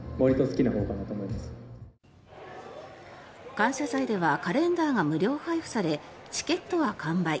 感謝祭ではカレンダーが無料配布されチケットは完売。